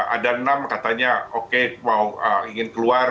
ada enam katanya oke mau ingin keluar